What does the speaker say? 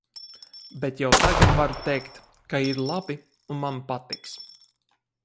Bet jau tagad varu teikt, ka ir labi un man patiks.